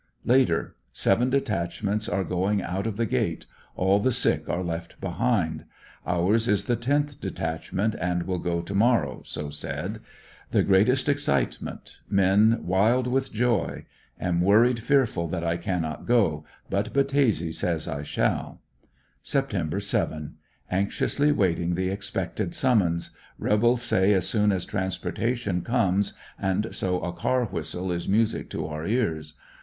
Later. — Seven detachments are going, out of the gate; all the sick are left behind. Ours is the tenth detachment and will go to morrow so said. The greatest excitement; men wild with joy. Am worried fearful that I cannot go, but Battese says I shall. Sept. 7. — Anxiously waiting the expected summons. Rebels say as soon as transportation comes, and so a car whistle is music to our ears.